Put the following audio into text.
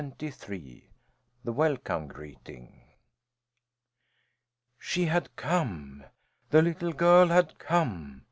BOOK FOUR THE WELCOME GREETING She had come! The little girl had come!